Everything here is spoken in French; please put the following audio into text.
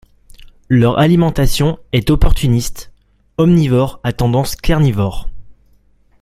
Leur alimentation est opportuniste, omnivores à tendance carnivore.